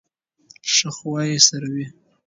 ښه خواوې سړوئ.